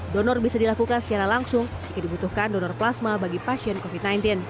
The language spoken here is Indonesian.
donor bisa dilakukan secara langsung jika dibutuhkan donor plasma bagi pasien covid sembilan belas